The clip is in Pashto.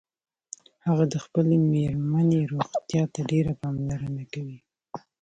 هغه د خپلې میرمنیروغتیا ته ډیره پاملرنه کوي